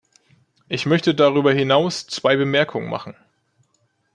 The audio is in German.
Ich möchte darüber hinaus zwei Bemerkungen machen.